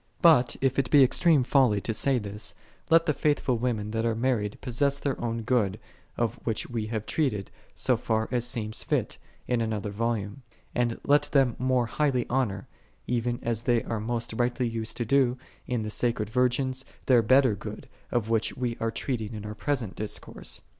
But, if it be extreme folly to say this, let the faithful women that are married possess their own good, of which we have treated, so far as seemed fit, in another volume; and let them more highly honor, even as they are most rightly used to do, in the sacred virgins, their better good, of which we are treating in our present discourse.